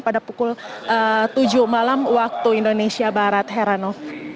pada pukul tujuh malam waktu indonesia barat heranov